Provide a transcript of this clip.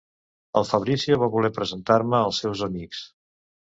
El Fabrizio va voler presentar-me els seus amics...